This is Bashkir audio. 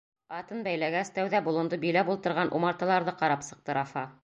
Атын бәйләгәс, тәүҙә болондо биләп ултырған умарталарҙы ҡарап сыҡты Рафа.